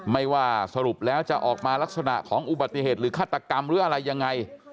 ไม่ว่าสรุปแล้วจะออกมาลักษณะของอุบัติเหตุหรือฆาตกรรมหรืออะไรยังไง